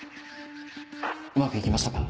うまくいきましたか？